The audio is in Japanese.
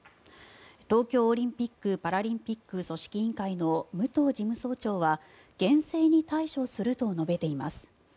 東京オリンピック・パラリンピック組織委員会の武藤事務総長は厳正に対処すると述べています。